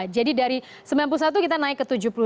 jadi dari sembilan puluh satu kita naik ke tujuh puluh dua